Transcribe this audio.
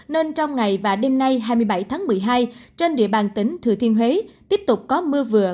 nên trong ngày và đêm nay hai mươi bảy tháng một mươi hai trên địa bàn tỉnh thừa thiên huế tiếp tục có mưa vừa